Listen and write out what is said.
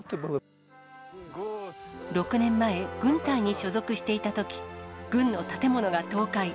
６年前、軍隊に所属していたとき、軍の建物が倒壊。